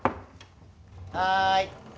はい。